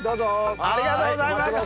ありがとうございます。